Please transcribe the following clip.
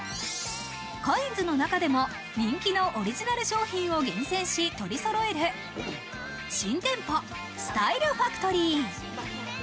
カインズの中でも、人気のオリジナル商品を厳選し、とりそろえる新店舗スタイルファクトリー。